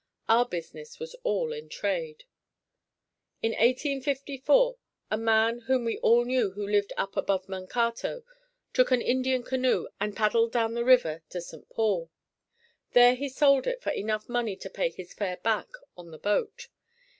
Our business was all in trade. In 1854 a man whom we all knew who lived up above Mankato took an Indian canoe and paddled down the river to St. Paul. There he sold it for enough money to pay his fare back on the boat.